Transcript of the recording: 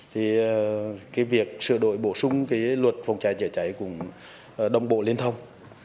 thì việc sửa đổi bổ sung cái luật phòng cháy chữa cháy cũng đồng bộ liên thông